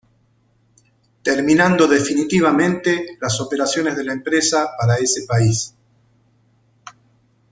Terminando definitivamente las operaciones de la empresa para ese país.